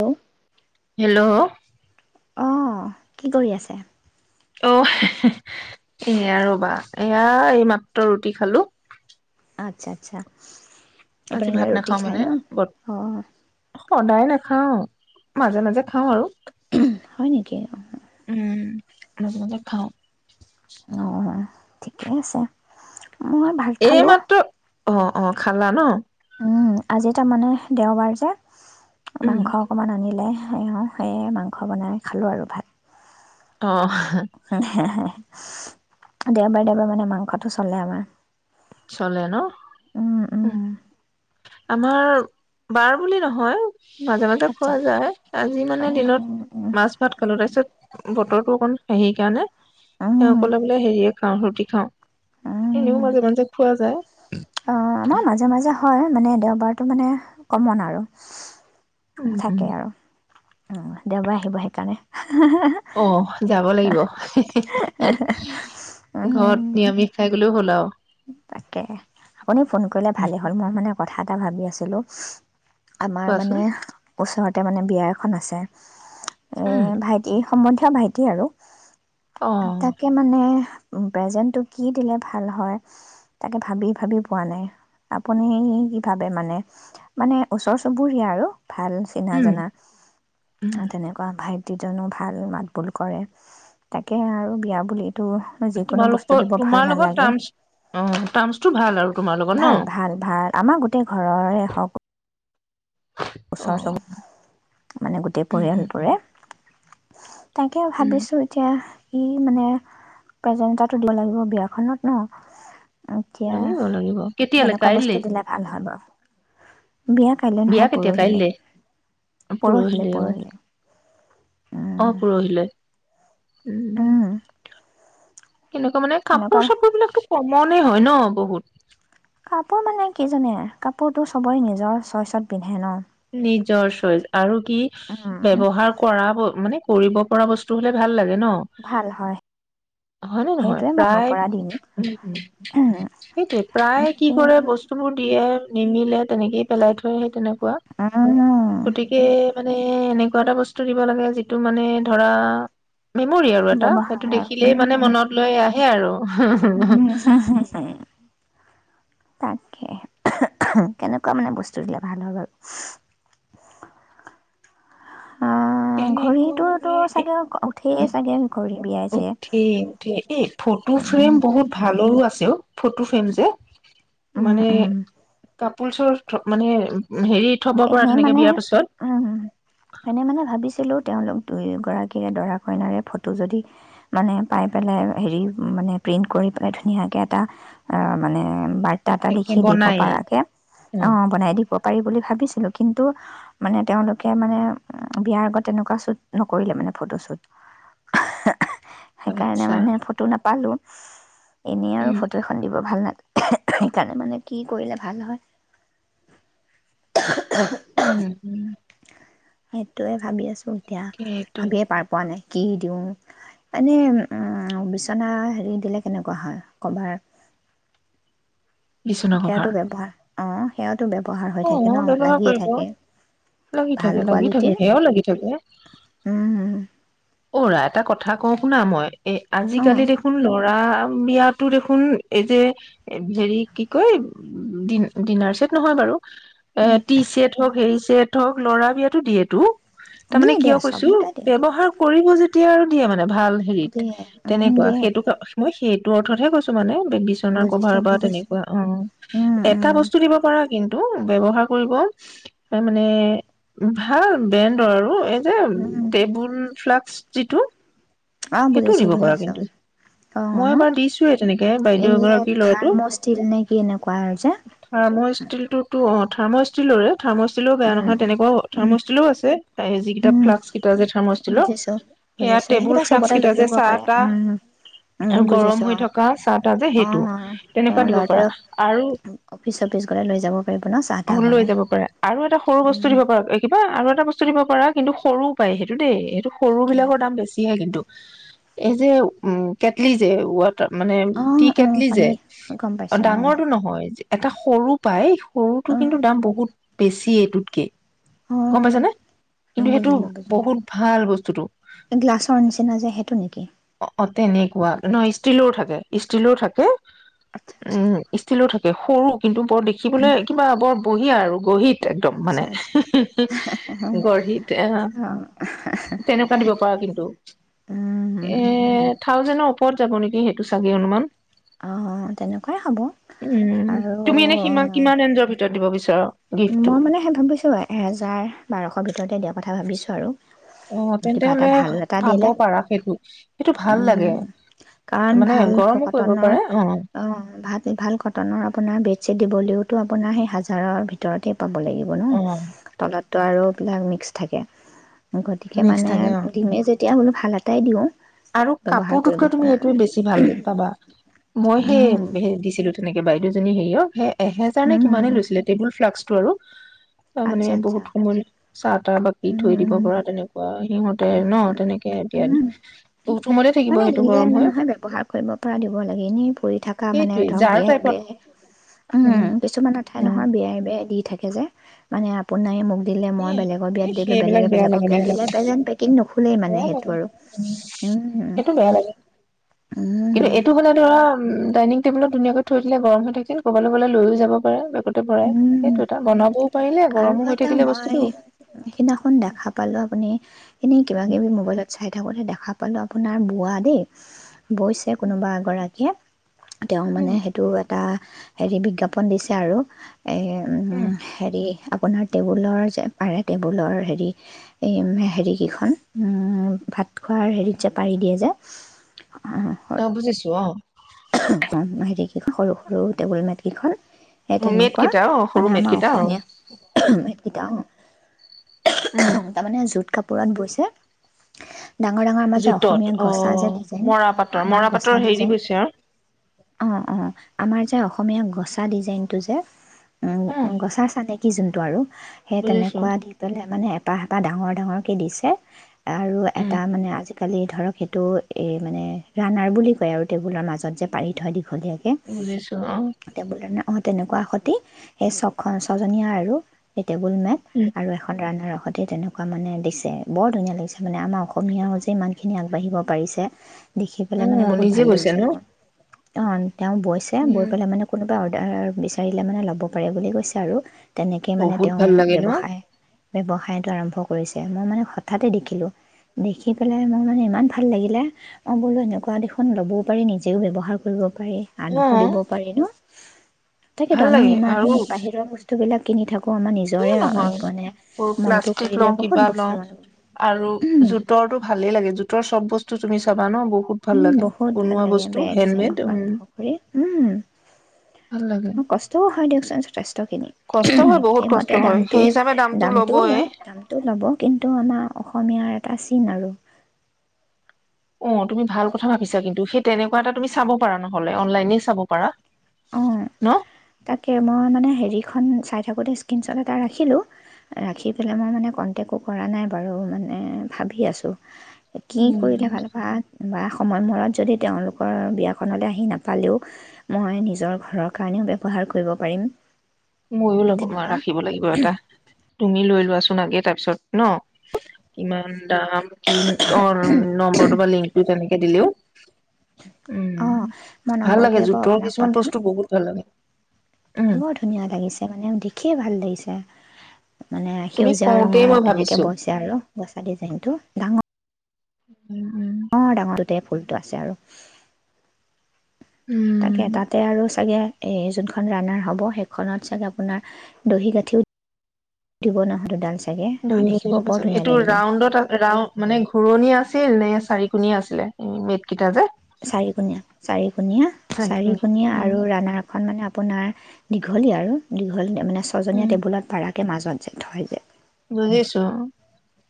Hello hello. অ' কি কৰি আছে অ এয়া ৰবা এয়া এই মাত্ৰ ৰুটি খালো আচ্ছা আচ্ছা আজি আপোনালোকে ভাত ৰুটি নাখাও খায় মানে ন? অঁ। সদায় নাখ হা মাজে মাজে খাওঁ আৰু হয় নেকি? উম আ খাওঁ ঠিকেই আছে মই ভাত খালোঁ। এইমাত্ৰ অ' অ' খালা ন উম আজি তাৰমানে দেওবাৰ যে, উম মাংস অকমান আনিলে সেয়ে মাংস বনাই খালো আৰু ভাত অ' উ হ হ দেওবাৰে দেওবাৰে মানে মাংসটো চলে আমাৰ চলে ন উম উ উম আমাৰ বাৰ বুলি নহয় মাজে মাজে খোৱা আচ্ছা যায় আজি মানে উম দিনত উম উম মাছ ভাত খালো তাৰপিছত, বতৰটো অকণ সেই কাৰণে, উম অকলে বোলে হেৰিয়, খাওঁ ৰুটি খাওঁ এনেও মাজে মাজে ব পোৱা যায় অ আমাৰ মাজে মাজে হয় মানে দেওবাৰতটো মানে কমন আৰু উম উম থাকে আৰু। অহ, দেওবাৰে আহিব সেইকাৰণে। অহ, যাব লাগিব। ঘৰত উম নিৰামিষ খাই গলেও হ'ল। হেল্ল'। তাকে আপুনি ফোন কৰিলে ভালে হ'ল মই মানে কথা এটা ভাবি আছিলোঁ আমাৰ কোৱাচোন মানে ওচৰতে মানে বিয়া এখন আছে এ উম ভাইটি সম্বন্ধীয় ভাইটি আৰু অ তাকে মানে উম প্ৰেজেন্ট টো কি দিলে ভাল হয়! তাকে ভাবি ভাবি পোৱা নাই আপুনি কি ভাবে মানে মানে ওচৰ চুবুৰীয়া আৰু ভাল চিনা উম জানা উম, তেনেকুৱা ভাই। প্ৰতি জনো ভাল মাত বোল কৰে তাকে আৰু বিয়া বুলি টো যিকোনো বস্তু তোমালোকৰ দিব ভাল তোমাৰ লগত নালাগে। টাৰ্মচ অ' টাৰমছটো ভাল আৰু তোমাৰ লগত ন ভাল অ ভাল ভাল আমাৰ গোটেই ঘৰৰে হওক ওচৰ চুবু, মানে গোটেই উম উম, পৰিয়ালটোৰে। তাকে উম, ভাবিছো এতিয়া ই মানে প্ৰেজেণ্ট এটাটো দিব লাগিব, বিয়াখনত এতিয়া লাগিব লাগিব কেতিয়ালে কেনেকুৱা কাইলৈ বস্তু দিলে ভাল হয় বাৰু? বিয়া কাইলৈ নহয় এতিয়া পৰহিলে কাইলে, পৰহিলে পৰহিলৈ অ। পৰহিলে অঊ উম পৰহিলৈ। উম কেনেকুৱা মানে কাপোৰ তেনেকুৱা চাপোৰ বিলাকো কমণে হয় ন বহুত কাপোৰ মানে কি জাননে কাপোৰতটো চবৰে নিজৰ চইচতে পিন্ধে। ন নিজৰ চইচ আৰু কি উম ব্যৱহাৰ কৰাব মানে কৰিব পৰা বস্তু হ'লে ভাল লাগে। ন ভাল হয় হয়নে নহয় সেইটোৱে মানিব প্ৰায় পৰা দিম উ সেইটোৱে প্ৰায় কি কৰে উম বস্তুবোৰ দিয়ে নিমিলে তেনেকেই পেলাই থয় সেই তেনেকুৱা। গতিকে মানে এনেকুৱা কিবা এটা বস্তু দিব লাগে যিটো মানে ধৰা মেমৰি আৰু এটা সেইটো ব্যৱহাৰ দেখিলেই মানে উম মনত লৈ আহে আৰু তাকে কেনেকুৱা মানে বস্তু দিলে ভাল হয় বাৰু? আহ কেনেকুৱা ঘড়ীটোতো মানে এ চাগে উঠেই উম চাগে ঘড়ী বিয়াইছে উঠেই উঠেই এই ফটো উম ফ্ৰেম বহুত ভালৰো আছে। [unintelligible] ফটো ফ্ৰেম যে উম মানে উম [unintelligible] মানে হেৰি থব পৰা এনে তেনেকে মানে বিয়াৰ পিছত উম এনে মানে ভাবিছিলো তেওঁলোক দুইগৰাকীৰে দৰা কইনাৰে ফটো যদি মানে পাই পেলাই হেৰি মানে প্ৰিণ্ট কৰি পেলাই ধুনীয়াকে এটা উহ মানে [unintelligible] এটা একে লিখি দিব বনায়ে পাৰ কে অ', বনাই দিব পাৰি বুলি ভাবিছ কিন্তু মানে তেওঁলোকে মানে বিয়াৰ আগত তেনেকুৱা শ্বুট নকৰিলে মানে ফটো শ্বুত সেইকাৰণে আচ্ছা মানে ফটো নাপালোঁ। এনেই আৰু উম ফটো এখন দিব ভাল [unintelligible] সেইকাৰণে মানে কি কৰিলে ভাল হয়। [inaudible] উম, উম। সেইটোয়ে ভাবি আছো। আছো এতিয়া সেইটো ভাবিয়ে পাৰ পোৱা নাই। কি দিওঁ এনে উম, বিচনা হেৰি দিলে কেনেকুৱা হয় কভাৰ বিচনা কভাৰ [unintelligible] অ'। অ', ব্যৱহাৰ কৰিব লাগি ভাল থাকে লাগি থাকে কোৱালিটিৰ সেয়াও লাগি থাকে। অ'ৰা এটা কথা কওঁ শুনা মই। এ অঁ আজিকালি দেখোন ল'ৰা উহ, বিয়াটো দেখোন এই যে, হেৰি কি কয় ডিনাৰ ছেট নহয় বাৰু এ, টিছেট হওঁক হেৰি ছেট হওঁক ল'ৰা বিয়াতটো দিয়েটো। তাৰ মানে দিয়ে কিয় দিয়ে কৈছো চবতে দিয়ে ব্যৱহাৰ কৰিব যেতিয়া আৰু দিয়ে মানে। ভাল হেৰিত, দিয়ে উম, তেনেকুৱা। দিয়ে সেইটো দিয়ে ক, মই সেই তোৰ অৰ্থত হে কৈছো মানে। বিচনাৰ কভাৰ বুজিছোঁ বা বুজিছোঁ তেনেকুৱা। অ', এটা বস্তু দিব পাৰা কিন্তু ব্যৱহাৰ কৰিব, তাৰমানে ভাল ব্ৰেণ্ডৰ আৰু। এই [unintelligible] টেবুল ফ্লাস্ক, যিটো। অঁ সেইটোও বুজিছোঁ দিব পাৰা বুজিছোঁ কিন্তু। অঁ মই ন এবাৰ দিছোঁয়েই তেনেকে এই বাইদেউ যে এগৰাকীৰ ল'ৰাটো। থাৰ্মষ্টিল নে কি এনেকুৱা আৰু যে থাৰ্মোষ্টীলটোতো অ', থাৰ্মষ্টিলৰে থাৰ্মোষ্টীলৰ বেয়া উম, নহয়। তেনেকুৱাও উম, থাৰ্মোষ্টীলৰো আছে। তাৰে যিকিতা, উম। ফ্লাস্ক কিতা যে থাৰ্মোষ্টীলৰ, বুজিছো সেয়া বুজিছো টেবুল সেইকেইটা ফ্লাস্ক চবতে লৈ [unintelligible] ফুৰিব পাৰে চাহ-তাহ উম উম আৰু গৰম বুজিছো হৈ থকা চাহ-তাহ যে, অ অ সেইটো। তেনেকুৱা তেওঁৰ দিব পাৰা, ল'ৰাটোৱে আৰু, অফিচ চফিচ গ'লে লৈ যাব পাৰিব ন চাহ তাহ লৈ বনাই যাব পাৰে। আৰু এটা সৰু বস্তু উম দিব পাৰা, কিবা আৰু [unintelligible] এটা বস্তু দিব পাৰ কিন্তু সৰু পায়, সেইটো দেই। সেইটো সৰু বিলাকৰ কেনেকুৱা দাম বেছিহে কিন্তু। এই যে, উম, কেটলি যে, ৱা [unintelligible] মানে অ অ টি-কেটলি যে, পানী গম অ', পাইছো ডাঙৰটো নহয়। যে এটা সৰু পাই সৰুটো অ কিন্তু দাম বহুত। বেছি এইটোতকে অ গম পাইছানে, অ কিন্তু সেইটো বুজিলো বুজিলো বহুত ভাল বস্তুটো। গ্লাছৰ নিচিনা যে সেইটো নেকি অ', অ', তেনেকুৱা, নহয় ষ্টিলৰ থাকে, ষ্টিলো থাকে। আচ্ছা উম, আচ্ছা ষ্টিলো থাকে। সৰু কিন্তু, বৰ দেখিবলৈ কিবা বৰ [unintelligible] আৰু [unintelligible] একদম মানে, আচ্ছা আচ্ছা [unintelligible] আহ, অ তেনেকুৱা দিব পাৰা কিন্তু। উম এ থাউজেনৰ ওপৰত যাব নেকি, সেইটো চাগে অনুুমান। অ', তেনেকুৱাই হ'ব উম, আৰু তুমি এনে সিমান অ', কিমান ৰেঞ্জৰ [unintelligible] মই মানে সেই ভাবিছো এহেজাৰ বাৰশৰ ভিতৰতে দিয়া পা কথা ভাবিছোঁ আৰু অ', তেন্তে কিবা এটা হ'লে ভাল এটা পাব দিলে পাৰা সেইটো। সেইটো ভাল লাগে উম কাৰণ মানে ভাল গৰমো কৰিব কটনৰ পাৰে অ', ভাল ভাল কটনৰ আপোনাৰ বেডশ্বিট দিবলৈওতো আ আপোনাৰ সেই হাজাৰৰ ভিতৰত ততে, পাব লাগিব ন অ', তলত তো আৰুবিলাক মিক্স থাকে গতিকে মিক্স মানে থাকে অ'। ডিমে যেতিয়া তেতিয়া বোলো ভাল এটাই দিওঁ আৰু ব্যৱহাৰ কৰিব কাপোৰটোতকৈ তুমি পৰা এইটোোৱে বেছি ভাল পাবা মই হে উম হ দিছিলো তেনেকে বাইদেউ ী সেয়ওে এজাৰ ন কিমান উম লৈছিলে টেবুল ফ্ল্ কৰো তাৰ মানে আচ্ছা আচ্ছা বহুত সময় চাহ তাহ বাকি থৈ উম দিব উম পৰা তেনেকুৱা সিহঁত ন তেনেকে এতিয়া উম বহুত সময়তে থাকিব মানে সেইটো দিলে গৰম মানে হৈ নহয় ব্যৱহাৰ কৰিব পৰা দিব লাগে এনেই কৰি থকা মানে সেইটোৱে ধৰক জাৰ বিয়াই টাইপত বিয়াই উম কিছুমান ঠাই উম। নহয় বিয়াই বেয়া দি থাকে যে মানে আপোনাৰ দিলে এ মই বেলেগৰ বিয়াত এই দিলো সেইবিলাক বেলেগে বেয়া লাগে দে বেলেগৰ পেজেন পেকীং ভুলেই মানে বেয়া সেইটো লাগে আৰু উম সেইটো বেয়া লাগে কিন্তু উম, এইটো মানে ধৰা উম ডাইনিং টেবুলত ধুনীয়াকৈ থৈ দিলে গৰম হৈ থাকিল কৰবালৈ গলে লৈ যাব পাৰা অ তে সেইটো উম। এটা বনাব আৰু এটা মই সিদিনাখন দেখা পালো আপুনি এনেই কিবা উম কিবি মোবাইলত চাই থাকোঁতে দেখা পালো আপোনাৰ বোৱা দেই বৈছে কোনোবা এগৰাকীয়ে তেওঁ মানে সেইটো তাহ হেৰি বিজ্ঞাপন দিছে আৰু উম হেৰি আপোনাৰ টেবুলৰ যে পাৰে টেবুলৰ হেৰি এই হেৰিকেইখন ভাত খোৱাৰ হেৰিত যে পাৰি দিয়ে যে অ বুজিছো অ হেৰিকেইখন সৰু সৰু টেবুল মেটকেইখন সেই মেট তেনেকুৱা কেইটা অ সৰু মানে মেট আমাৰ কেইটা অ অসমীয়া গিতা উম তাৰমানে যত কাপোৰ পূৰণ গৈছে ডাঙৰ ডাঙৰ মাজে জোতত অসমীয়া অ গছা যে ডিজাইন মৰাপাটৰ আমাৰ মৰাপাটৰ গছা হেৰি ডিজাইন গৈছে আৰু অ অ আমাৰ যে অসমীয়া গছা ডিজাইনটো যে উম উ গছা চাকী কি চিন্তা টো আৰু সেই বুজিছো তেনেকুৱা দি পেলাই মানে হেপাহ পা ডাঙৰ ডাঙৰ কে দিছে আৰু উম এটা মানে আজি কালি ধৰক সেইটো এই মানে ৰানাৰ বুলি কয় আৰু টেবুলৰ মাজত যে পানি থ দি বুজিছো অ দীঘলীয়াকে বোলে ন অ তেনেকুৱা আ সতে সেই ছ ছজনীয়া আৰু টেবুল মেট উম আৰু এখন ৰানাৰক সতে তেনেকুৱা মানে দিছে, বৰ ধুনীয়া লাগিছে মানে আমাৰ অসমীয়া যে ইমানখিনি আগবাঢ়িব পাৰিছে। দেখি অ পেলাই মানে বহুত নিজে ভাল গৈছে লাগিছে ন মোৰ, অ' তেওঁ বৈছে গৈ উম পেলাই মানে কোনো, অৰ্ডাৰ বিচাৰিলে মানে ল'ব পাৰে বুলি কৈছে আৰু তেনেকেই মানে বহুত তেওঁ ভাল লাগে ন ব্যৱসায় ব্য্ৱসায়তটো আৰম্ভ কৰিছে মই মানে হঠাতে দেখিলো দেখি পেলাই মোৰ মানে ইমান ভাল লাগিলে মই বোলো এনেকুৱা দেখোন ল'বও পাৰি নিজেও ব্যয়ৱসায় ব্যৱহাৰ কৰিব। পাৰি অ আনকো দিব পাৰি ন! তাকেতো ভাল আমি ইমান বাহিৰৰ বস্তু বিলাক, কিনি থাকো। কিয় নহয় মনটো প্লাষ্টিক কৰিলে লওঁ বহুত কিবা বস্তু লওঁ মানে আৰু উম, জোতৰটো ভালেই লাগে জোতৰ চব বস্তু তুমি চাবা ন! বহুত ভাল উম লাগে বহুত ভাল বনোৱা লাগে বস্তু বেগ চেগ হেণ্ডমেড উম আৰম্ভ কৰি ভাল লাগে উম কষ্টও হয় দিয়কচোন যথেষ্ট খিনি কষ্ট হয় বহুত এই কষ্ট তা হয় সেই দামটো হিচাপে দামটো দামটোও ল'বয়ে লয় দামটো ল'ব কিন্তু আমাৰ অসমীয়াৰ ন আৰু অ', তুমি ভাল কথা ভাবিছা কিন্তু সেই তেনেকুৱা এটা তুমি চাব পাৰা নহ'লে অনলাইনে চাব পাৰা অ', ন তাকে মই মানে হেৰিখন চাই থাকোঁতে স্ক্ৰীণশ্বট এটা ৰাখিলোঁ, ৰাখি পেলাই মই মানে কণ্টেক্টো কৰা নাই বাৰু মানে ভাবি আছোঁ। কি উম, কৰিলে ভাল বা বা সময়মূৰত যদি তেওঁলোকৰ বিয়াখনলৈ আহি নাপালেও মই নি নিজৰ ঘৰৰ কাৰণেও ব্যৱহাৰ কৰিব পাৰিম। ময়ো ল'ব তেনেকুৱা ৰাখিব লাগিব এটা তুমি লৈ লোৱা চোন আগে তাৰপিছত ন? ইমান কি অ', নম্বৰটো বা লিংকটো তেনে দিলেও উম অঁ মই ভাল লাগে। নম্বৰটোৱে বাৰু জোথৰ আপোনাক কিছুমান পঠাম বস্তু বহুত ভাল লাগে। উম, বৰ ধুনীয়া লাগিছে। মানে দেখিয়ে ভাল লাগিছে। মানে তুমি সেউজীয়া কওঁতেই মই ৰঙৰ এনেকে ভাবিছো। বৈছে আৰু গছা ডিজাইনটো ডাঙৰ উম, উম। ডাঙৰ গোটেই ফুলটো আছে আৰু। উম, তাকে তাতে আৰু চাগে এই যোনখন ৰাণাৰ হ'ব, সেইখনত চাগে আপোনাৰ দহি গাঁঠিও দিব নহয় দুডাল চাগে দহি দেখিব গুঠি দিব বৰ চাবি, ধুনীয়া এইটো লাগিব ৰাউণ্ডত ৰাউ মানে ঘূুৰণিয়া আছিল, নে চাৰিকোণীয়া আছিলে? বেট কেইটা যে। চাৰি কোণীয়া, চাৰি কোণীয়া, চাৰি চাৰিকোণীয়া। কোণীয়া আৰু উম, ৰানাৰখন মানে আপোনাৰ দীঘলীয়া আৰু দীঘল মানে ছজনীয়া টেবুলত পাৰাকৈ মাজত যে থই যেয় বুজিছো।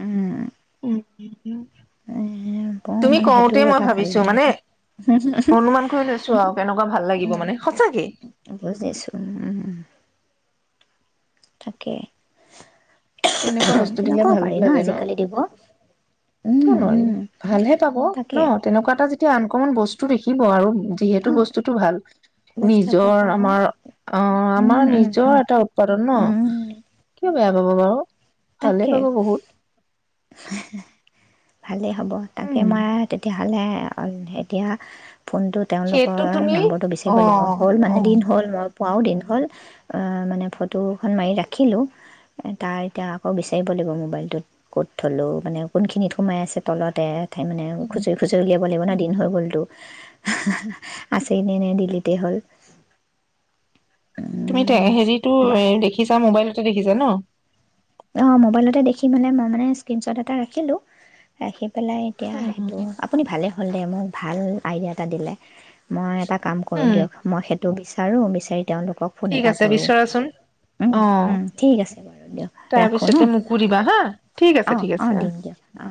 উম। উম। বৰ তুমি মানে সেইটো কওঁতে মই এটা ভাল ভাবিছো, লাগিলে মানে অনুমান কৰি লৈছো আৰু কেনেকুৱা ভাল লাগিব মানে সঁচাকে। বুজিছোঁ তাকে। তেনেকুৱা বস্তু দিলে তেনেকুৱাও ভালো পাৰি ন? লাগে আজিকালি দিব। উম কিয় নোৱাৰিম, উম ভালহে পাব তাকে ন? তেনেকুৱা যেতিয়া আনকমন বস্তু দেখিব আৰু অ যিহেতু বস্তুতটো ভাল, বস্তু এটা নিজৰ পাব আমাৰ অ', উম আমাৰ উম উম নিজৰ এটা উৎপাদন ন? উম কিয় বেয়া পাব বাৰু। ভালেই তাকে। পাব বহুত ভালেই হ'ব তাকে উম মই তেতিয়া ভালে অ'- এতিয়া ফোনটো তেওঁলোকৰ সেইটো তুমি নম্বৰটো বিচাৰিব অ লাগিব হ'ল অ মানেদিন হ'ল মই পোৱাও দিন হ'ল, মানে ফটোখন মাৰি ৰাখিলোঁ তাৰ এতিয়া আকৌ বিচাৰিব লাগিব মোবাইলটোত ক'ত থ'লোঁ মানে কোনখিনিত সোমাই আছে তলতে [unintelligible] মানে আৰু খুছৰি খুছৰি উলিয়াব। লাগিব ন দিন হৈ গ'লতো আছেইনে, নে দিলীতে হ'ল! তুমি তে- এ হেৰিতটো বাৰু দেখিছা মোবাইলত। দেখিছা ন? অ', মোবাইলতে দেখি মানে মই মানে স্কিনচত এটা ৰাখিলো, ৰাখি পেলাই এতিয়া সেইটো উম আপুনি ভালেই হ'ল, দে মোৰ ভাল আইডিয়া এটা দিলে মই তাত কাম কৰোঁ দিয়ক মই সেত টো বিচাৰো বিচাৰি তেওঁলোকক ফোন ঠিক এটা আছে কৰো। বিচৰাচোন উম, উম ঠিক আছে বাৰু দিয়ক। তাৰ ৰাখোঁ ন পিছতে মোকো দিবা হা ঠিক আছে, অঁ ঠিক অঁ আছে অ। দিম দিয়ক অঁ